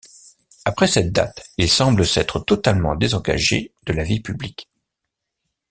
Après cette date, il semble s'être totalement désengagé de la vie publique.